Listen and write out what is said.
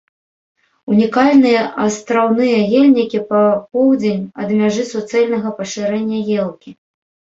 Унікальныя астраўныя ельнікі па поўдзень ад мяжы суцэльнага пашырэння елкі.